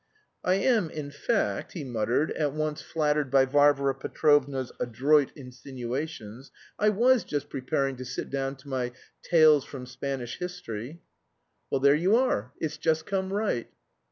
"I am, in fact," he muttered, at once flattered by Varvara Petrovna's adroit insinuations. "I was just preparing to sit down to my 'Tales from Spanish History.'" "Well, there you are. It's just come right."